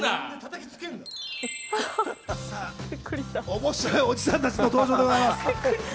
面白いおじさんたちの登場です。